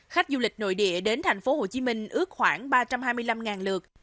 khách du lịch nội địa đến thành phố hồ chí minh ước khoảng ba trăm hai mươi năm lượt